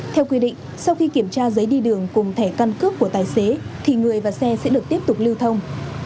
theo quy định sau khi kiểm tra giấy đi đường cùng thẻ căn cước của tài xế thì người và xe sẽ được tiếp tục lưu thông